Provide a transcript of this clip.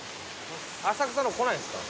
浅草の方来ないんですか？